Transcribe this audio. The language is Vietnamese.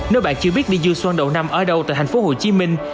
nếu bạn chưa biết đi du xuân đầu năm ở đâu tại thành phố hồ chí minh